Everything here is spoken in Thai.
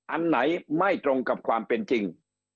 อันไหนไม่ตรงกับความเป็นจริง